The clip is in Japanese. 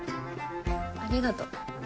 ありがと。